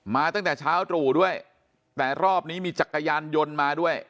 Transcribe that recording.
ตั้งแต่เช้าตรู่ด้วยแต่รอบนี้มีจักรยานยนต์มาด้วย